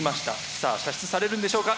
さあ射出されるんでしょうか。